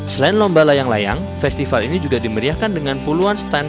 selain lomba layang layang festival ini juga dimeriahkan dengan puluhan stand